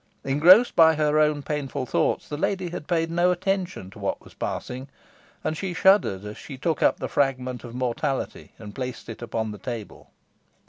Engrossed by her own painful thoughts, the lady had paid no attention to what was passing, and she shuddered as she took up the fragment of mortality, and placed it upon the table.